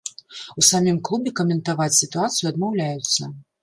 У самім клубе каментаваць сітуацыю адмаўляюцца.